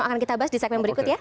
akan kita bahas di segmen berikut ya